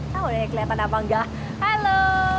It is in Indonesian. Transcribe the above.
tahu deh kelihatan apa enggak halo